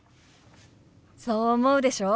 そう思うでしょ？